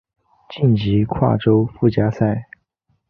晋级跨洲附加赛。